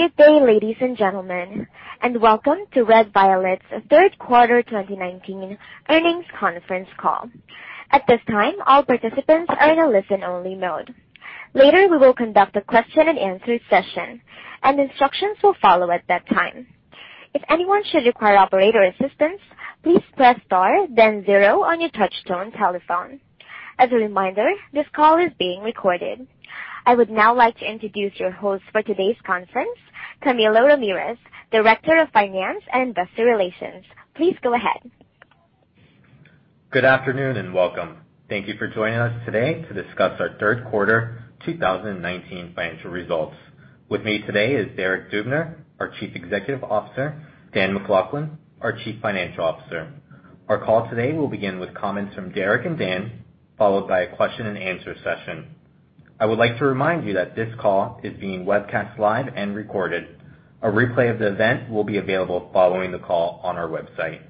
Good day, ladies and gentlemen, and welcome to Red Violet's third quarter 2019 earnings conference call. At this time, all participants are in a listen-only mode. Later, we will conduct a question-and-answer session, and instructions will follow at that time. If anyone should require operator assistance, please press star then zero on your touchtone telephone. As a reminder, this call is being recorded. I would now like to introduce your host for today's conference, Camilo Ramirez, Director of Finance and Investor Relations. Please go ahead. Good afternoon, and welcome. Thank you for joining us today to discuss our third quarter 2019 financial results. With me today is Derek Dubner, our Chief Executive Officer, Dan MacLachlan, our Chief Financial Officer. Our call today will begin with comments from Derek and Dan, followed by a question and answer session. I would like to remind you that this call is being webcast live and recorded. A replay of the event will be available following the call on our website.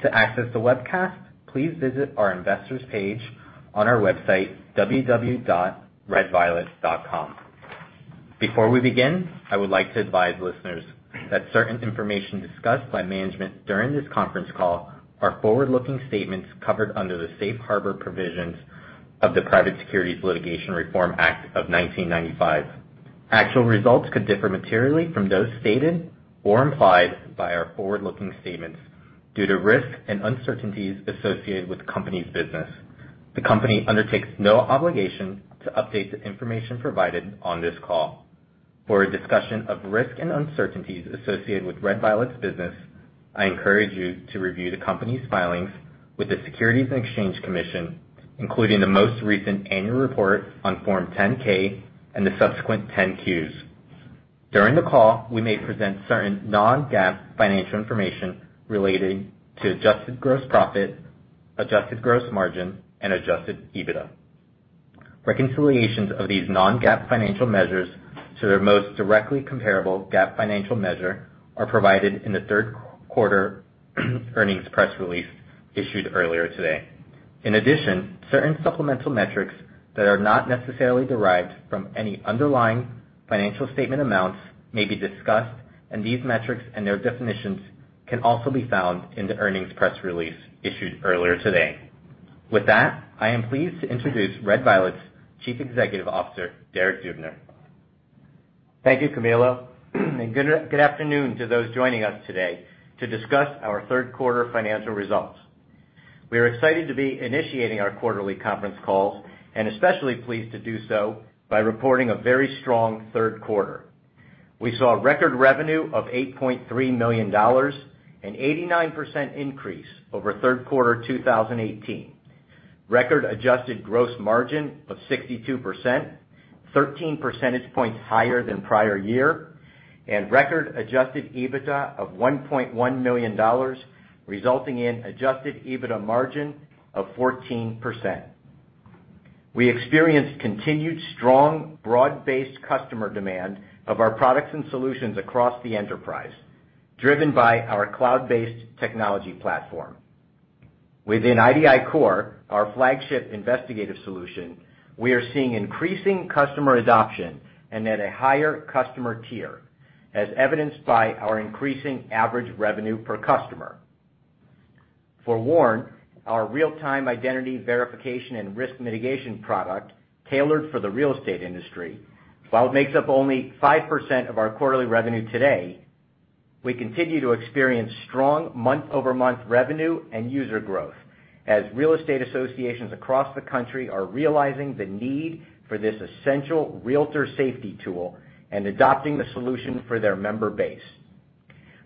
To access the webcast, please visit our investor's page on our website, www.redviolet.com. Before we begin, I would like to advise listeners that certain information discussed by management during this conference call are forward-looking statements covered under the safe harbor provisions of the Private Securities Litigation Reform Act of 1995. Actual results could differ materially from those stated or implied by our forward-looking statements due to risks and uncertainties associated with the company's business. The company undertakes no obligation to update the information provided on this call. For a discussion of risks and uncertainties associated with Red Violet's business, I encourage you to review the company's filings with the Securities and Exchange Commission, including the most recent annual report on Form 10-K and the subsequent 10-Qs. During the call, we may present certain non-GAAP financial information relating to adjusted gross profit, adjusted gross margin, and adjusted EBITDA. Reconciliations of these non-GAAP financial measures to their most directly comparable GAAP financial measure are provided in the third quarter earnings press release issued earlier today. In addition, certain supplemental metrics that are not necessarily derived from any underlying financial statement amounts may be discussed, and these metrics and their definitions can also be found in the earnings press release issued earlier today. With that, I am pleased to introduce Red Violet's Chief Executive Officer, Derek Dubner. Thank you, Camilo. Good afternoon to those joining us today to discuss our third quarter financial results. We are excited to be initiating our quarterly conference calls, especially pleased to do so by reporting a very strong third quarter. We saw record revenue of $8.3 million, an 89% increase over third quarter 2018, record adjusted gross margin of 62%, 13 percentage points higher than prior year, and record adjusted EBITDA of $1.1 million, resulting in adjusted EBITDA margin of 14%. We experienced continued strong, broad-based customer demand of our products and solutions across the enterprise, driven by our cloud-based technology platform. Within idiCORE, our flagship investigative solution, we are seeing increasing customer adoption and at a higher customer tier, as evidenced by our increasing average revenue per customer. FOREWARN, our real-time identity verification and risk mitigation product tailored for the real estate industry, while it makes up only 5% of our quarterly revenue today, we continue to experience strong month-over-month revenue and user growth as real estate associations across the country are realizing the need for this essential realtor safety tool and adopting the solution for their member base.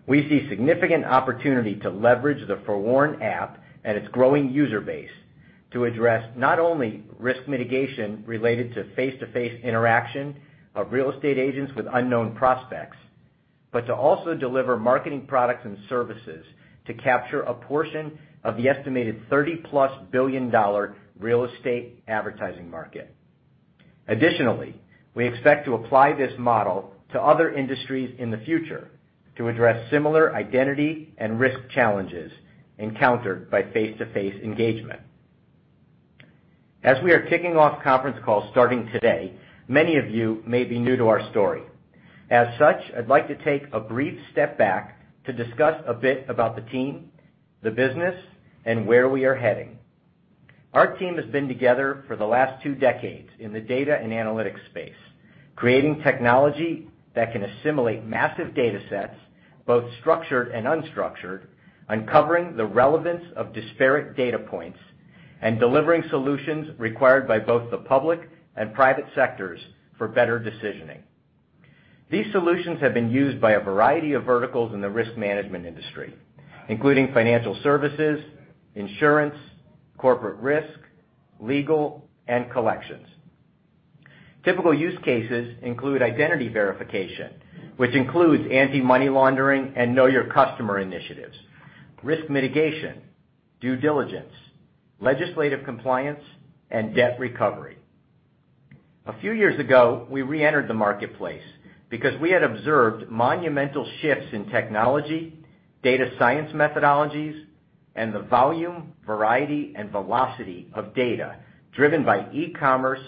We see significant opportunity to leverage the FOREWARN app and its growing user base to address not only risk mitigation related to face-to-face interaction of real estate agents with unknown prospects, but to also deliver marketing products and services to capture a portion of the estimated $30+ billion real estate advertising market. Additionally, we expect to apply this model to other industries in the future to address similar identity and risk challenges encountered by face-to-face engagement. As we are kicking off conference calls starting today, many of you may be new to our story. As such, I'd like to take a brief step back to discuss a bit about the team, the business, and where we are heading. Our team has been together for the last two decades in the data and analytics space, creating technology that can assimilate massive data sets, both structured and unstructured, uncovering the relevance of disparate data points, and delivering solutions required by both the public and private sectors for better decisioning. These solutions have been used by a variety of verticals in the risk management industry, including financial services, insurance, corporate risk, legal, and collections. Typical use cases include identity verification, which includes anti-money laundering and know-your-customer initiatives, risk mitigation, due diligence, legislative compliance, and debt recovery. A few years ago, we reentered the marketplace because we had observed monumental shifts in technology, data science methodologies, and the volume, variety, and velocity of data driven by e-commerce,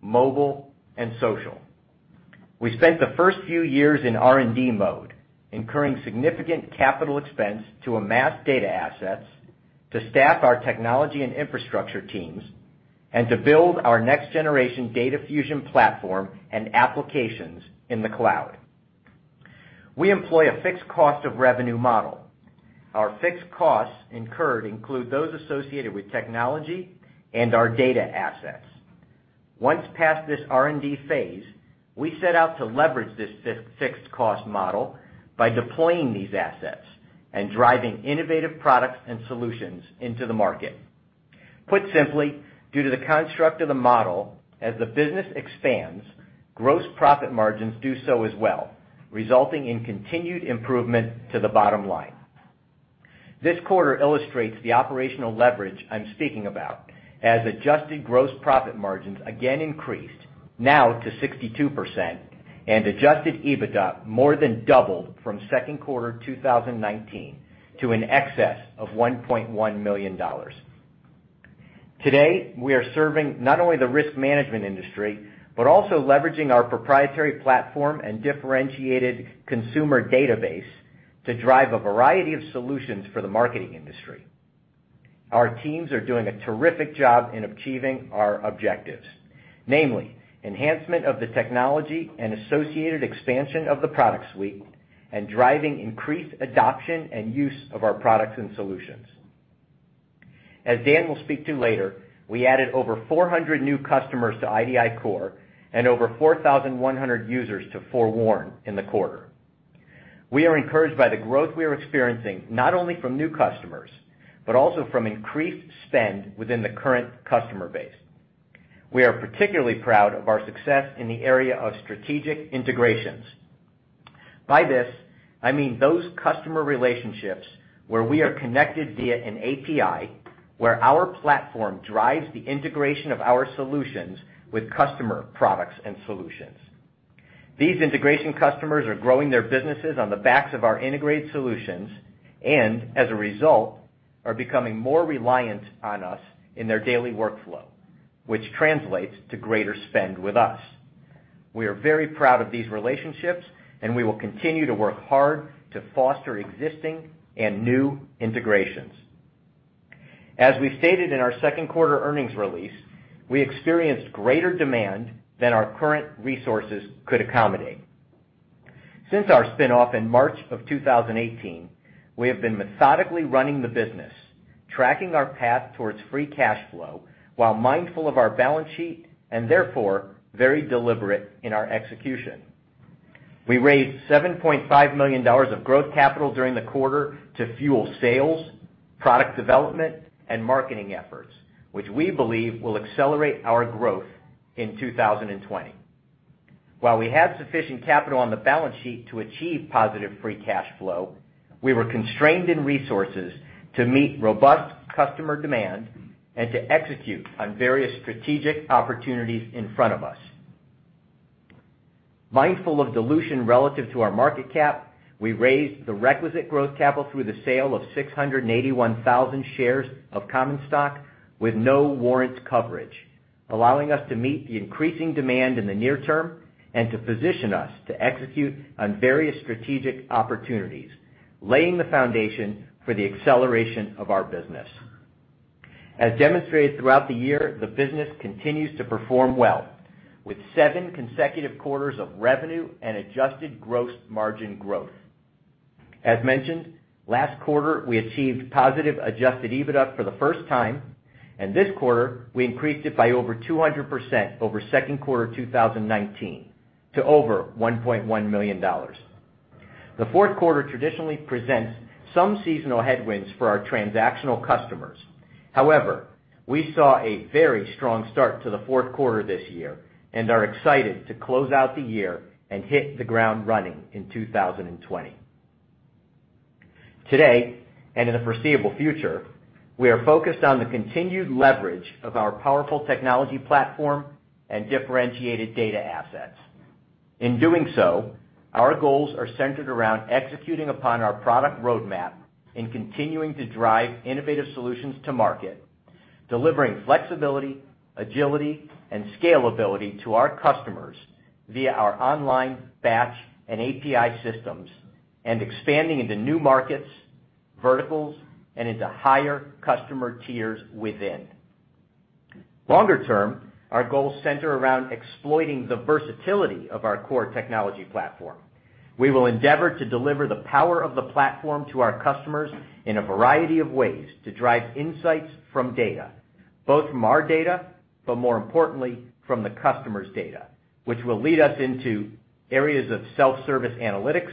mobile, and social. We spent the first few years in R&D mode, incurring significant capital expense to amass data assets, to staff our technology and infrastructure teams, and to build our next-generation data fusion platform and applications in the cloud. We employ a fixed cost of revenue model. Our fixed costs incurred include those associated with technology and our data assets. Once past this R&D phase, we set out to leverage this fixed cost model by deploying these assets and driving innovative products and solutions into the market. Put simply, due to the construct of the model, as the business expands, gross profit margins do so as well, resulting in continued improvement to the bottom line. This quarter illustrates the operational leverage I'm speaking about, as adjusted gross profit margins again increased, now to 62%, and adjusted EBITDA more than doubled from second quarter 2019 to an excess of $1.1 million. Today, we are serving not only the risk management industry, but also leveraging our proprietary platform and differentiated consumer database to drive a variety of solutions for the marketing industry. Our teams are doing a terrific job in achieving our objectives, namely enhancement of the technology and associated expansion of the product suite, and driving increased adoption and use of our products and solutions. As Dan will speak to later, we added over 400 new customers to idiCORE and over 4,100 users to FOREWARN in the quarter. We are encouraged by the growth we are experiencing, not only from new customers, but also from increased spend within the current customer base. We are particularly proud of our success in the area of strategic integrations. By this, I mean those customer relationships where we are connected via an API, where our platform drives the integration of our solutions with customer products and solutions. These integration customers are growing their businesses on the backs of our integrated solutions, and as a result, are becoming more reliant on us in their daily workflow, which translates to greater spend with us. We are very proud of these relationships, and we will continue to work hard to foster existing and new integrations. As we stated in our second quarter earnings release, we experienced greater demand than our current resources could accommodate. Since our spinoff in March of 2018, we have been methodically running the business, tracking our path towards free cash flow while mindful of our balance sheet, and therefore, very deliberate in our execution. We raised $7.5 million of growth capital during the quarter to fuel sales, product development, and marketing efforts, which we believe will accelerate our growth in 2020. While we had sufficient capital on the balance sheet to achieve positive free cash flow, we were constrained in resources to meet robust customer demand and to execute on various strategic opportunities in front of us. Mindful of dilution relative to our market cap, we raised the requisite growth capital through the sale of 681,000 shares of common stock with no warrants coverage, allowing us to meet the increasing demand in the near term and to position us to execute on various strategic opportunities, laying the foundation for the acceleration of our business. As demonstrated throughout the year, the business continues to perform well, with seven consecutive quarters of revenue and adjusted gross margin growth. As mentioned, last quarter, we achieved positive adjusted EBITDA for the first time, and this quarter, we increased it by over 200% over second quarter 2019 to over $1.1 million. The fourth quarter traditionally presents some seasonal headwinds for our transactional customers. However, we saw a very strong start to the fourth quarter this year and are excited to close out the year and hit the ground running in 2020. Today, and in the foreseeable future, we are focused on the continued leverage of our powerful technology platform and differentiated data assets. In doing so, our goals are centered around executing upon our product roadmap in continuing to drive innovative solutions to market, delivering flexibility, agility, and scalability to our customers via our online, Batch, and API systems, and expanding into new markets, verticals, and into higher customer tiers within. Longer term, our goals center around exploiting the versatility of our CORE technology platform. We will endeavor to deliver the power of the platform to our customers in a variety of ways to drive insights from data, both from our data, but more importantly, from the customer's data, which will lead us into areas of self-service analytics,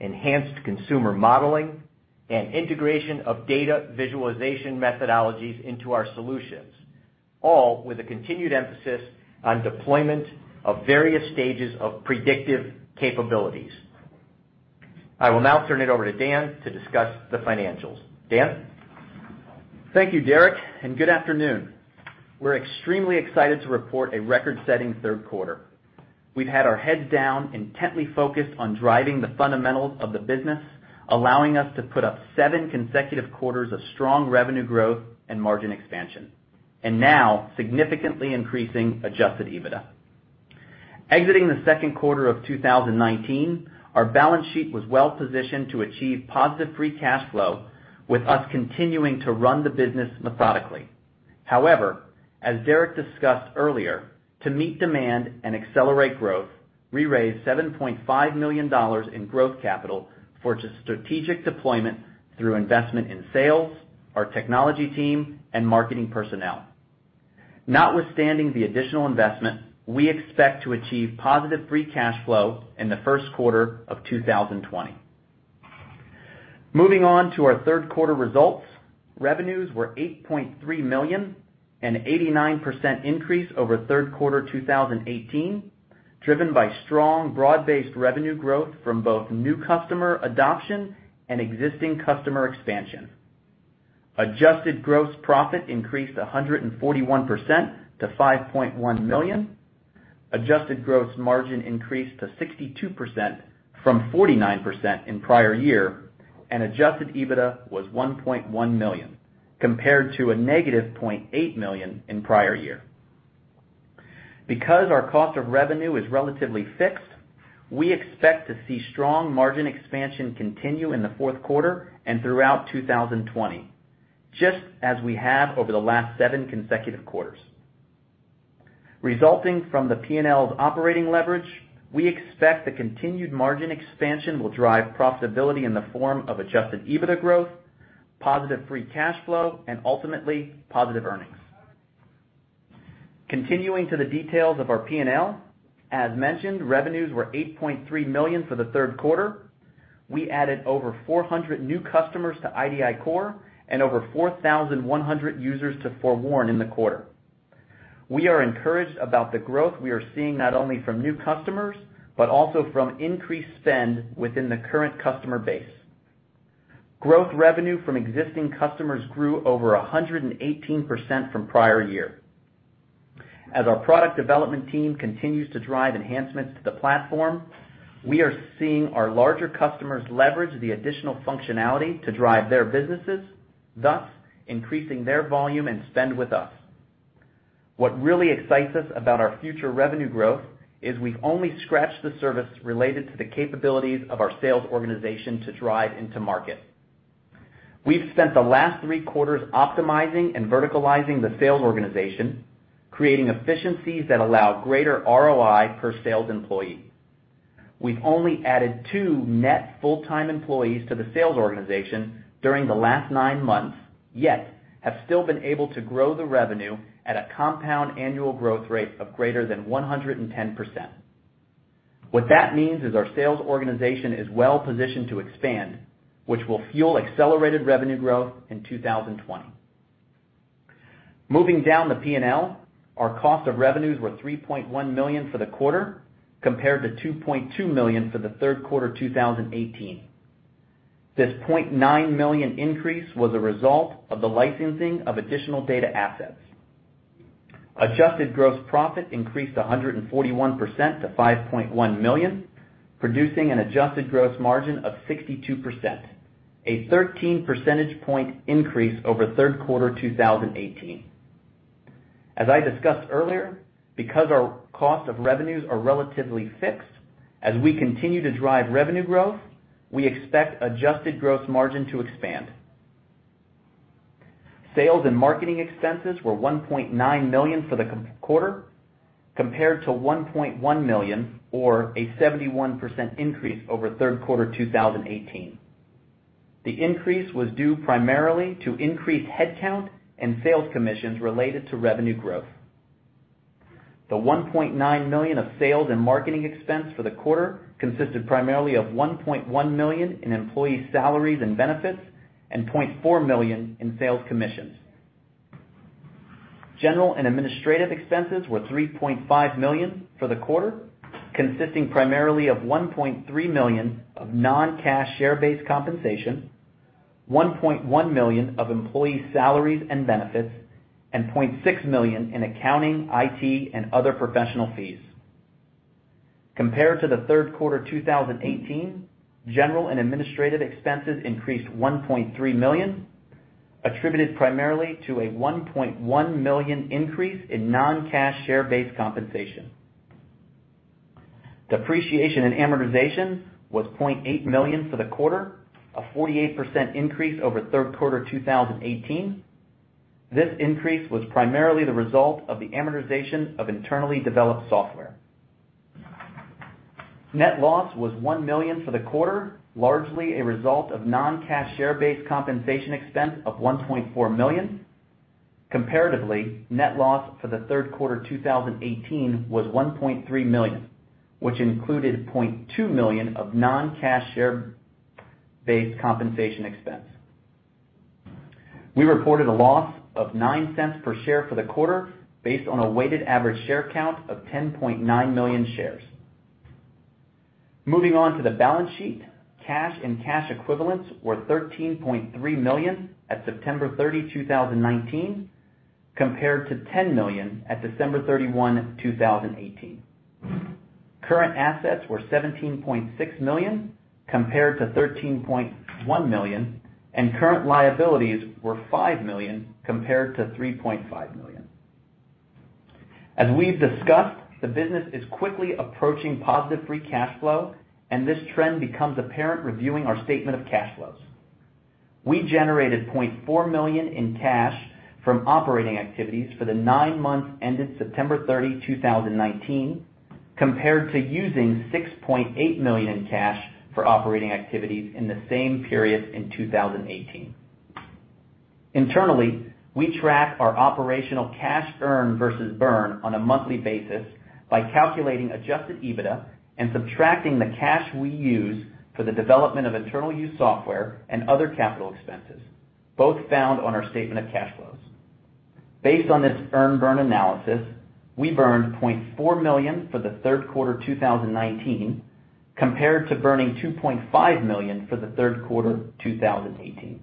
enhanced consumer modeling, and integration of data visualization methodologies into our solutions, all with a continued emphasis on deployment of various stages of predictive capabilities. I will now turn it over to Dan to discuss the financials. Dan? Thank you, Derek, and good afternoon. We're extremely excited to report a record-setting third quarter. We've had our heads down intently focused on driving the fundamentals of the business, allowing us to put up seven consecutive quarters of strong revenue growth and margin expansion, and now significantly increasing adjusted EBITDA. Exiting the second quarter of 2019, our balance sheet was well-positioned to achieve positive free cash flow, with us continuing to run the business methodically. However, as Derek discussed earlier, to meet demand and accelerate growth, we raised $7.5 million in growth capital for strategic deployment through investment in sales, our technology team, and marketing personnel. Notwithstanding the additional investment, we expect to achieve positive free cash flow in the first quarter of 2020. Moving on to our third quarter results. Revenues were $8.3 million, an 89% increase over third quarter 2018, driven by strong, broad-based revenue growth from both new customer adoption and existing customer expansion. Adjusted gross profit increased 141% to $5.1 million. Adjusted gross margin increased to 62% from 49% in prior year, and adjusted EBITDA was $1.1 million, compared to a negative $0.8 million in prior year. Because our cost of revenue is relatively fixed, we expect to see strong margin expansion continue in the fourth quarter and throughout 2020, just as we have over the last seven consecutive quarters. Resulting from the P&L's operating leverage, we expect the continued margin expansion will drive profitability in the form of adjusted EBITDA growth, positive free cash flow, and ultimately, positive earnings. Continuing to the details of our P&L, as mentioned, revenues were $8.3 million for the third quarter. We added over 400 new customers to idiCORE and over 4,100 users to FOREWARN in the quarter. We are encouraged about the growth we are seeing not only from new customers but also from increased spend within the current customer base. Growth revenue from existing customers grew over 118% from prior year. As our product development team continues to drive enhancements to the platform, we are seeing our larger customers leverage the additional functionality to drive their businesses, thus increasing their volume and spend with us. What really excites us about our future revenue growth is we've only scratched the surface related to the capabilities of our sales organization to drive into market. We've spent the last three quarters optimizing and verticalizing the sales organization, creating efficiencies that allow greater ROI per sales employee. We've only added two net full-time employees to the sales organization during the last nine months, yet have still been able to grow the revenue at a compound annual growth rate of greater than 110%. What that means is our sales organization is well positioned to expand, which will fuel accelerated revenue growth in 2020. Moving down the P&L, our cost of revenues were $3.1 million for the quarter, compared to $2.2 million for the third quarter 2018. This $0.9 million increase was a result of the licensing of additional data assets. Adjusted gross profit increased 141% to $5.1 million, producing an adjusted gross margin of 62%, a 13 percentage point increase over third quarter 2018. As I discussed earlier, because our cost of revenues are relatively fixed, as we continue to drive revenue growth, we expect adjusted gross margin to expand. Sales and marketing expenses were $1.9 million for the quarter, compared to $1.1 million or a 71% increase over third quarter 2018. The increase was due primarily to increased headcount and sales commissions related to revenue growth. The $1.9 million of sales and marketing expense for the quarter consisted primarily of $1.1 million in employee salaries and benefits and $0.4 million in sales commissions. General and administrative expenses were $3.5 million for the quarter, consisting primarily of $1.3 million of non-cash share-based compensation, $1.1 million of employee salaries and benefits, and $0.6 million in accounting, IT, and other professional fees. Compared to the third quarter 2018, general and administrative expenses increased $1.3 million, attributed primarily to a $1.1 million increase in non-cash share-based compensation. Depreciation and amortization was $0.8 million for the quarter, a 48% increase over third quarter 2018. This increase was primarily the result of the amortization of internally developed software. Net loss was $1 million for the quarter, largely a result of non-cash share-based compensation expense of $1.4 million. Comparatively, net loss for the third quarter 2018 was $1.3 million, which included $0.2 million of non-cash share-based compensation expense. We reported a loss of $0.09 per share for the quarter based on a weighted average share count of 10.9 million shares. Moving on to the balance sheet, cash and cash equivalents were $13.3 million at September 30, 2019, compared to $10 million at December 31, 2018. Current assets were $17.6 million, compared to $13.1 million, and current liabilities were $5 million compared to $3.5 million. As we've discussed, the business is quickly approaching positive free cash flow, and this trend becomes apparent reviewing our statement of cash flows. We generated $0.4 million in cash from operating activities for the nine months ended September 30, 2019, compared to using $6.8 million in cash for operating activities in the same period in 2018. Internally, we track our operational cash earn versus burn on a monthly basis by calculating adjusted EBITDA and subtracting the cash we use for the development of internal use software and other capital expenses, both found on our statement of cash flows. Based on this earn/burn analysis, we burned $0.4 million for the third quarter 2019, compared to burning $2.5 million for the third quarter 2018.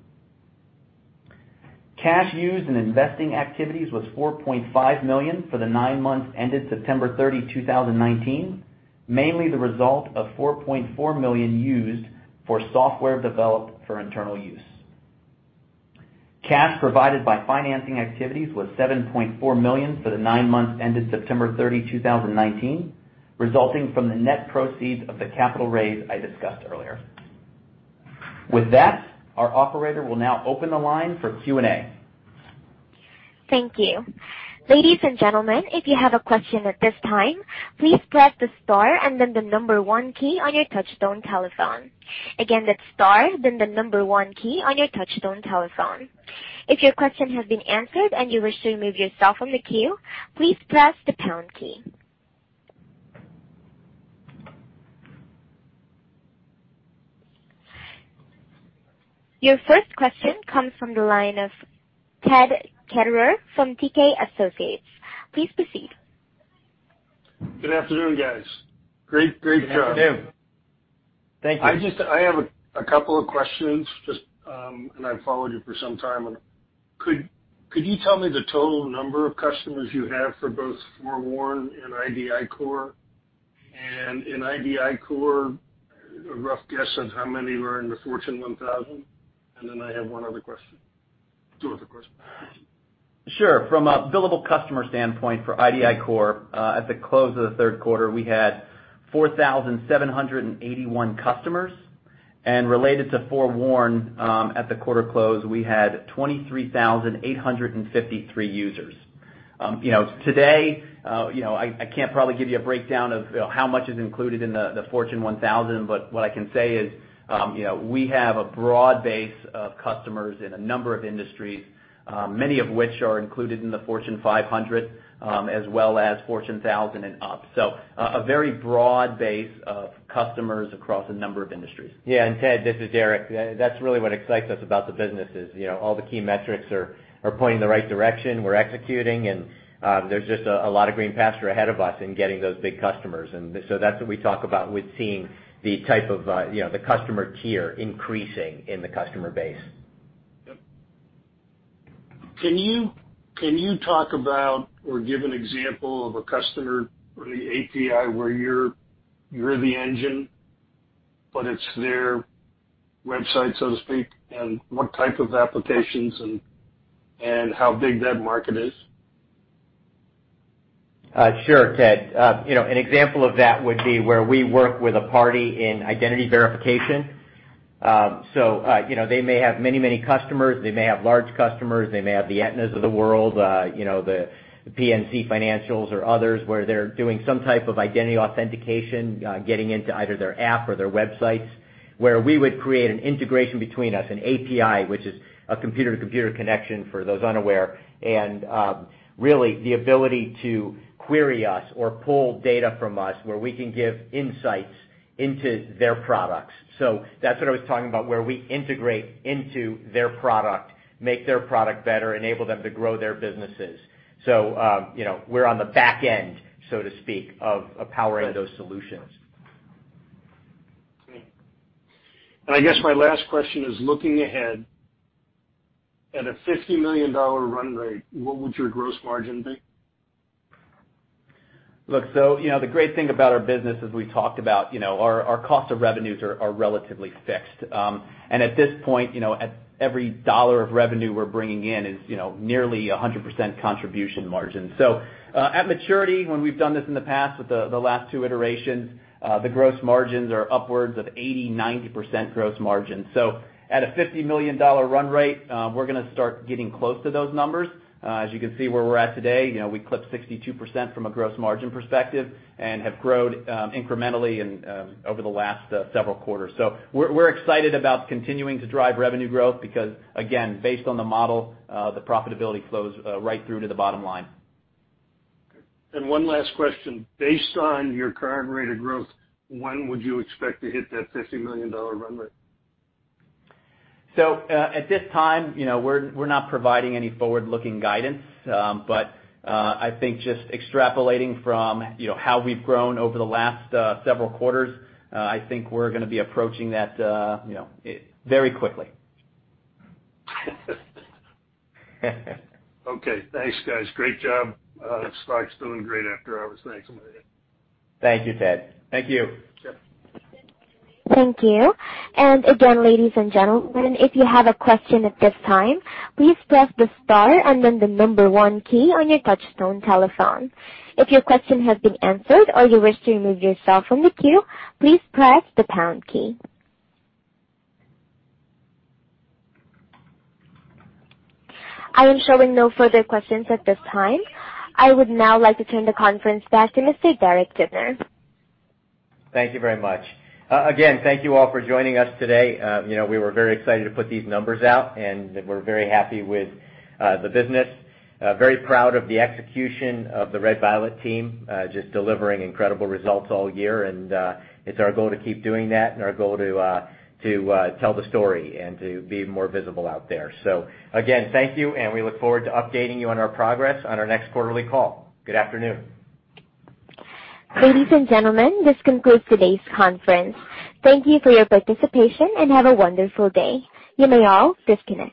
Cash used in investing activities was $4.5 million for the nine months ended September 30, 2019, mainly the result of $4.4 million used for software developed for internal use. Cash provided by financing activities was $7.4 million for the nine months ended September 30, 2019, resulting from the net proceeds of the capital raise I discussed earlier. With that, our operator will now open the line for Q&A. Thank you. Ladies and gentlemen, if you have a question at this time, please press the star and then the number one key on your touchtone telephone. Again, that's star, then the number one key on your touchtone telephone. If your question has been answered and you wish to remove yourself from the queue, please press the pound key. Your first question comes from the line of Ted Ketterer from TK Associates. Please proceed. Good afternoon, guys. Great job. Good afternoon. Thank you. I have a couple of questions, and I've followed you for some time. Could you tell me the total number of customers you have for both FOREWARN and idiCORE? In idiCORE, a rough guess on how many are in the Fortune 1000? I have one other question. Two other questions. Sure. From a billable customer standpoint for idiCORE, at the close of the third quarter, we had 4,781 customers. Related to FOREWARN, at the quarter close, we had 23,853 users. Today, I can't probably give you a breakdown of how much is included in the Fortune 1000, but what I can say is we have a broad base of customers in a number of industries, many of which are included in the Fortune 500, as well as Fortune 1000 and up. A very broad base of customers across a number of industries. Yeah, Ted, this is Derek. That's really what excites us about the business is all the key metrics are pointing in the right direction. We're executing, there's just a lot of green pasture ahead of us in getting those big customers. That's what we talk about with seeing, the customer tier increasing in the customer base. Yep. Can you talk about or give an example of a customer or the API where you're the engine, but it's their website, so to speak, and what type of applications and how big that market is? Sure, Ted. An example of that would be where we work with a party in identity verification. They may have many customers. They may have large customers. They may have the Aetnas of the world, the PNC Financial or others, where they're doing some type of identity authentication, getting into either their app or their websites, where we would create an integration between us, an API, which is a computer-to-computer connection for those unaware. Really the ability to query us or pull data from us where we can give insights into their products. That's what I was talking about, where we integrate into their product, make their product better, enable them to grow their businesses. We're on the back end, so to speak, of powering those solutions. Great. I guess my last question is, looking ahead at a $50 million run rate, what would your gross margin be? The great thing about our business is we talked about our cost of revenues are relatively fixed. At this point, every dollar of revenue we're bringing in is nearly 100% contribution margin. At maturity, when we've done this in the past with the last two iterations, the gross margins are upwards of 80%-90% gross margin. At a $50 million run rate, we're going to start getting close to those numbers. As you can see where we're at today, we clipped 62% from a gross margin perspective and have grown incrementally over the last several quarters. We're excited about continuing to drive revenue growth because, again, based on the model, the profitability flows right through to the bottom line. Okay. One last question. Based on your current rate of growth, when would you expect to hit that $50 million run rate? At this time, we're not providing any forward-looking guidance. I think just extrapolating from how we've grown over the last several quarters, I think we're going to be approaching that very quickly. Okay. Thanks, guys. Great job. Stock's doing great after hours. Thanks. Thank you, Ted. Thank you. Sure. Thank you. Again, ladies and gentlemen, if you have a question at this time, please press the star and then the number one key on your touchtone telephone. If your question has been answered or you wish to remove yourself from the queue, please press the pound key. I am showing no further questions at this time. I would now like to turn the conference back to Mr. Derek Dubner. Thank you very much. Again, thank you all for joining us today. We were very excited to put these numbers out, and we're very happy with the business. Very proud of the execution of the Red Violet team just delivering incredible results all year. It's our goal to keep doing that and our goal to tell the story and to be more visible out there. Again, thank you, and we look forward to updating you on our progress on our next quarterly call. Good afternoon. Ladies and gentlemen, this concludes today's conference. Thank you for your participation and have a wonderful day. You may all disconnect.